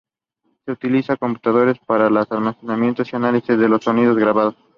Se utilizan computadores para el almacenamiento y análisis de los sonidos grabado.